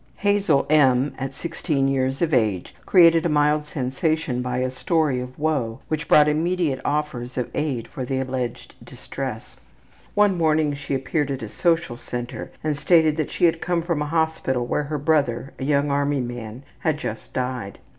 Hazel M. at 16 years of age created a mild sensation by a story of woe which brought immediate offers of aid for the alleged distress. One morning she appeared at a social center and stated she had come from a hospital where her brother, a young army man, had just died.